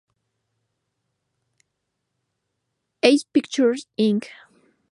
Ace Pictures Inc.